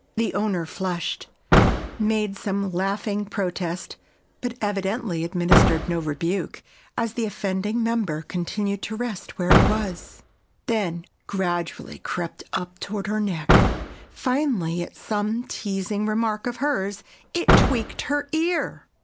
The owner flushed, made some laughing protest, but evidently administered no rebuke, as the offending member continued to rest where it was, then gradually crept up toward her neck; finally, at some teasing remark of hers, it tweaked her ear.